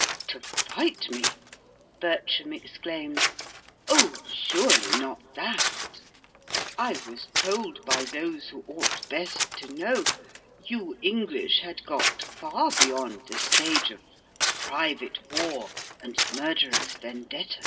"To fight me!" Bertram exclaimed. "Oh, surely not that! I was told by those who ought best to know, you English had got far beyond the stage of private war and murderous vendetta."